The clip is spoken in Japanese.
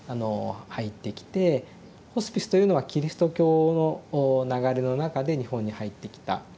ホスピスというのはキリスト教の流れの中で日本に入ってきたもの。